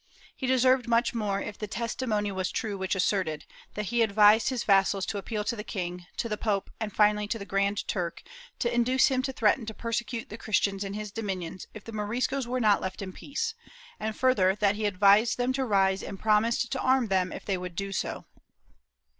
He deserved much more if the testimony was true which asserted that he advised his vassals to appeal to the king, to the pope, and finally to the Grand Turk to induce him to threaten to persecute the Christians in his dominions if the Moriscos were not left in peace, and further that he advised them to rise and promised to arm them if they would do so.